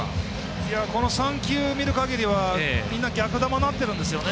この３球見るかぎりはみんな逆球になってるんですよ。